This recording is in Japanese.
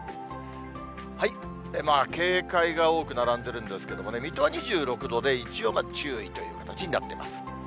警戒が多く並んでいるんですけれどもね、水戸は２６度で、一応注意という形になってます。